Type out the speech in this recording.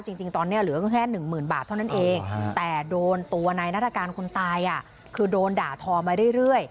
จริงตอนนี้เหลือก็แค่หนึ่งหมื่นบาทเท่านั้นเองแต่โดนตัวนายนัฐกาลคนตายคือโดนด่าทอมาเรื่อย